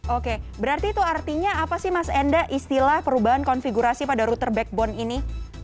oke berarti itu artinya apa sih mas enda istilah perubahan konfigurasi pada router backbone ini